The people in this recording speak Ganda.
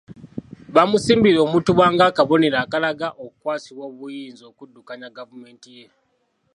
Bamusimbira omutuba ng’akabonero akalaga okukwasibwa obuyinza okuddukanya gavumenti ye.